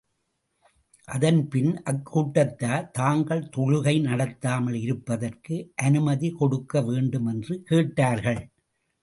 அதன் பின், அக்கூட்டத்தார், தாங்கள் தொழுகை நடத்தாமல் இருப்பதற்கு அனுமதி கொடுக்க வேண்டும் என்று கேட்டார்கள்.